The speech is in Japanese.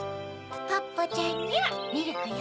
ポッポちゃんにはミルクよ。